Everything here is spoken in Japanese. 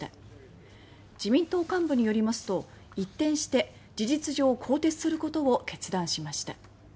自民党幹部によりますと一転して事実上、更迭することを決断しました。